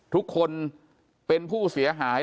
ทุกคนเป็นผู้เสียหาย